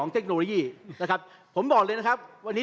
เห็นภาพบอกไว้ว่างี้อ่ะ